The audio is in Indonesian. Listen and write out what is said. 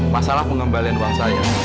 masalah pengembalian uang saya